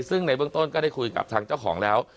ซึ่งในเบื้องต้นก็ได้คุยกับทางเจ้าของแล้ว